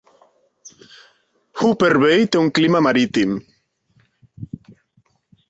Hooper Bay té un clima marítim.